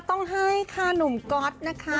ต้องให้ค่ะหนุ่มก๊อตนะคะ